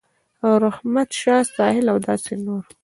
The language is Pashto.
رحمت شاه ساحل او داسې نور